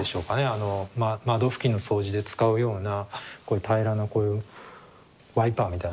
窓拭きの掃除で使うような平らなこういうワイパーみたいな。